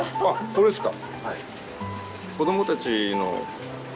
これですか？